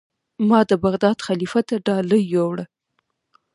ما د بغداد خلیفه ته ډالۍ یووړه.